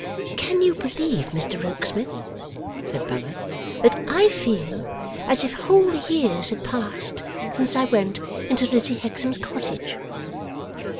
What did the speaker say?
'Can you believe, Mr Rokesmith,' said Bella, 'that I feel as if whole years had passed since I went into Lizzie Hexam's cottage?